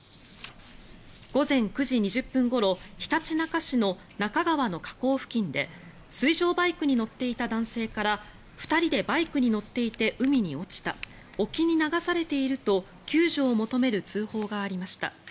午前９時２０分ごろひたちなか市の那珂川の河口付近で水上バイクに乗っていた男性から２人でバイクに乗っていて海に落ちた沖に流されていると救助を求める通報がありました。